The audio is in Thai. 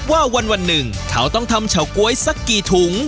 ว่าวันหนึ่งเขาต้องทำเฉาก๊วยสักกี่ถุง